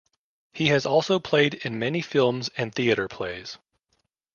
He has also played in many films and theater plays.